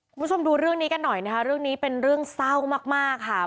คุณผู้ชมดูเรื่องนี้กันหน่อยนะคะเรื่องนี้เป็นเรื่องเศร้ามากค่ะ